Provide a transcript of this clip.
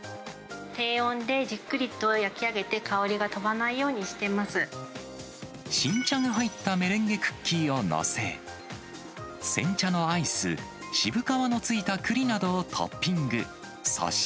低温でじっくりと焼き上げて、新茶が入ったメレンゲクッキーを載せ、煎茶のアイス、渋皮のついたくりなどをトッピング。